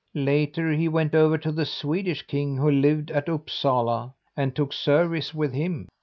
"Later he went over to the Swedish king, who lived at Upsala, and took service with him.